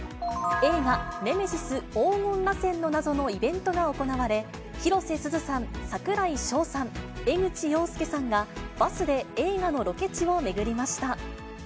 映画、ネメシス黄金螺旋の謎のイベントが行われ、広瀬すずさん、櫻井翔さん、江口洋介さんが、バスで映画のロケ地を巡りました。